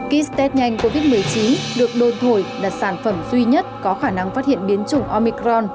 kit test nhanh covid một mươi chín được đô thổi là sản phẩm duy nhất có khả năng phát hiện biến chủng omicron